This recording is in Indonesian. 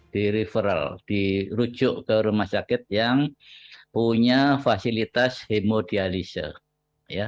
di referral dirujuk ke rumah sakit yang punya fasilitas hemodialisa